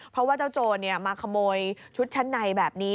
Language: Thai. เพราะว่าเจ้าโจรมาขโมยชุดชั้นในแบบนี้